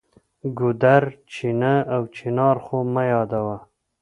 ګودر، چینه او چنار خو مه یادوه.